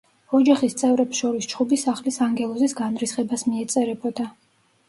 ოჯახის წევრებს შორის ჩხუბი სახლის ანგელოზის განრისხებას მიეწერებოდა.